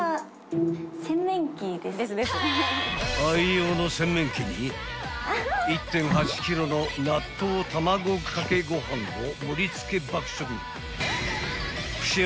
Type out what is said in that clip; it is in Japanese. ［愛用の洗面器に１．８ｋｇの納豆たまごかけご飯を盛り付け爆食］